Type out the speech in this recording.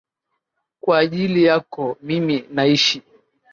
Kwa ajili yako mimi naishi.